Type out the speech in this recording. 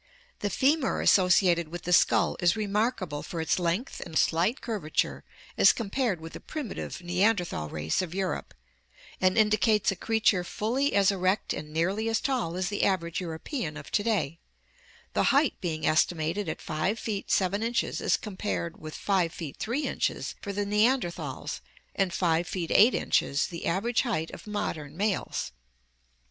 The femur associated with the skull is remarkable for THE EVOLUTION OF MAN 677 its length and slight curvature as compared with the primitive Neanderthal race of Europe (page 680) and indicates a creature fully as erect and nearly as tall as the average European of to day, the height being estimated at 5 feet 7 inches as compared with 5 feet 3 inches for the Ne anderthals and 5 feet 8 inches, the average height of modern males.